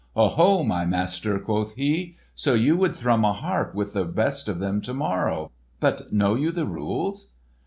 "Oho, my master!" quoth he, "so you would thrum a harp with the best of them to morrow! But know you the rules?"